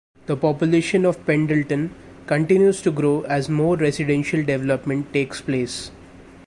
The population of Pendleton continues to grow as more residential development takes place.